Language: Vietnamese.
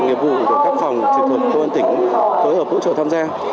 nghiệp vụ của các phòng trực thuật công an tỉnh cối hợp hỗ trợ tham gia